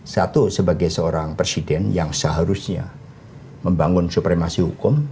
satu sebagai seorang presiden yang seharusnya membangun supremasi hukum